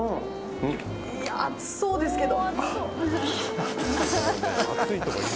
熱そうですけど。